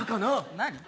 何？